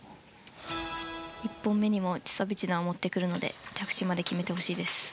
１本目にもチュソビチナを持ってくるので着地まで決めてほしいです。